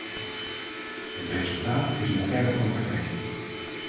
Het resultaat is nog verre van perfect.